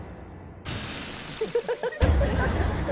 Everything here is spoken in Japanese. ハハハハ！